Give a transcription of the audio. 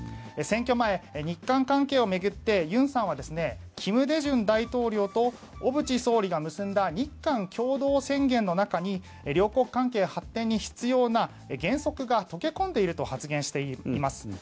選挙前、日韓関係を巡って尹さんは金大中大統領と小渕総理が結んだ日韓共同宣言の中に両国関係発展に必要な原則が溶け込んでいると発言しています。